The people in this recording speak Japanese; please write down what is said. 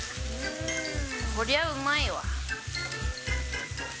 こりゃうまいわ。